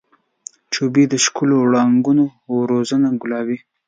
جوپې د ښکلو وړانګو وزرونه ګلابي